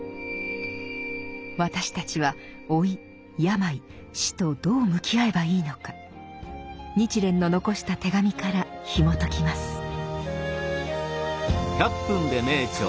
私たちは老い病死とどう向き合えばいいのか日蓮の残した手紙からひもときます。